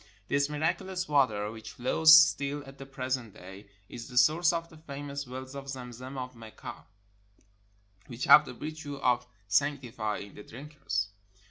This miraculous water, which flows still at the present day, is the source of the famous wells of Zem zem of Mecca, which have the virtue of sanctifying the drinkers.